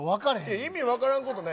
意味分からんことない。